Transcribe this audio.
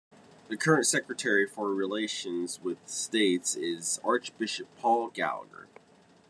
The current Secretary for Relations with States is Archbishop Paul Gallagher.